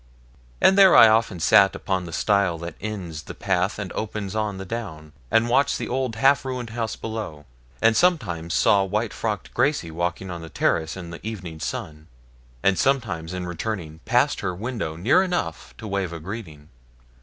And there I often sat upon the stile that ends the path and opens on the down, and watched the old half ruined house below; and sometimes saw white frocked Gracie walking on the terrace in the evening sun, and sometimes in returning passed her window near enough to wave a greeting.